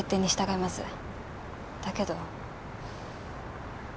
だけど。